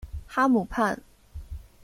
哈姆畔。